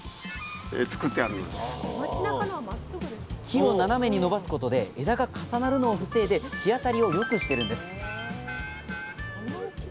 木を斜めに伸ばすことで枝が重なるのを防いで日当たりをよくしてるんです